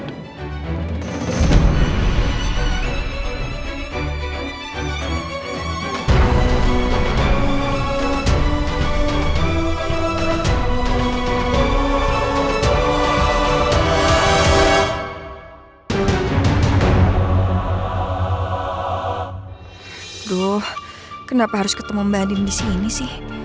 aduh kenapa harus ketemu mbak adin disini sih